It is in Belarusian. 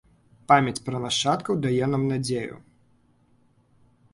Памяць пра нашчадкаў дае нам надзею.